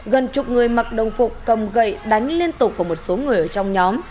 gần chục người mặc đồng phục cầm gậy đánh liên tục của một số người trong nhóm